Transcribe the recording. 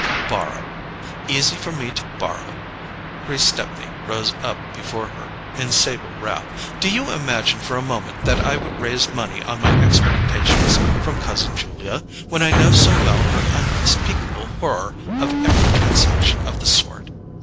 "Borrow—easy for me to borrow?" Grace Stepney rose up before her in sable wrath. "Do you imagine for a moment that I would raise money on my expectations from cousin Julia, when I know so well her unspeakable horror of every transaction of the sort?